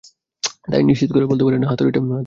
তাই নিশ্চিত করে বলতে পারেন না হাতুড়িটা নড়েছে কি না।